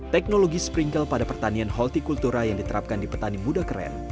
teknologi sprinkle pada pertanian hortikultura yang diterapkan di petani muda keren